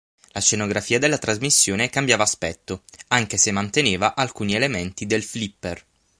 La scenografia della trasmissione cambiava aspetto, anche se manteneva alcuni elementi del flipper.